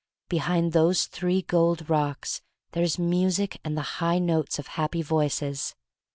"Behind those three gold rocks there is music and the high notes of happy voices."